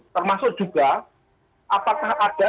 termasuk juga apakah ada